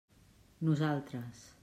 Nosaltres.